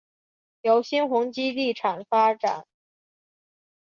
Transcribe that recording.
由新鸿基地产发展。